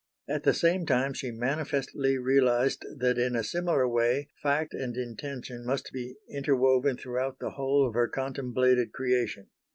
At the same time she manifestly realised that in a similar way fact and intention must be interwoven throughout the whole of her contemplated creation.